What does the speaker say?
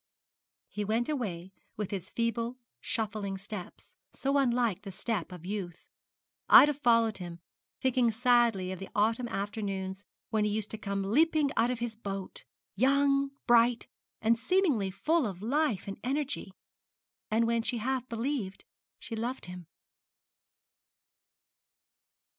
He went away with his feeble shuffling steps, so unlike the step of youth; Ida following him, thinking sadly of the autumn afternoons when he used to come leaping out of his boat young, bright, and seemingly full of life and energy, and when she half believed she loved him.